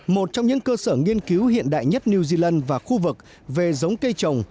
một trong những cơ sở nghiên cứu hiện đại nhất new zealand và khu vực về giống cây trồng